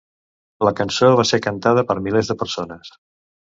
La cançó va ser cantada per milers de persones.